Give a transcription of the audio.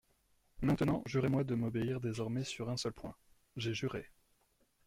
Maintenant, jurez-moi de m'obéir désormais sur un seul point.» J'ai juré.